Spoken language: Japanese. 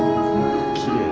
きれいだ。